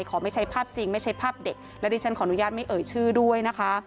ขอไม่ใช้ภาพจริงไม่ใช่ภาพเด็กและดิฉันขออนุญาตไม่เอ่ยชื่อด้วยนะคะ